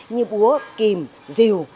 như búa kìm rìu